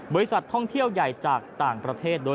บริษัทท่องเที่ยวใหญ่จากต่างประเทศ